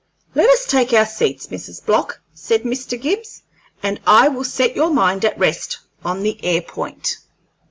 "Let us take our seats, Mrs. Block," said Mr. Gibbs, "and I will set your mind at rest on the air point.